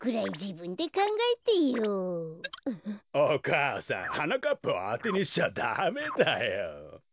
お母さんはなかっぱをあてにしちゃダメだよ。